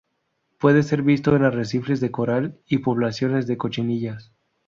Puede ser visto en arrecifes de coral y poblaciones de cochinillas.